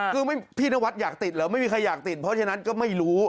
คือพี่นวัดอยากติดเหรอไม่มีใครอยากติดเพราะฉะนั้นก็ไม่รู้